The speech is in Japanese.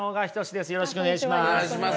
よろしくお願いします。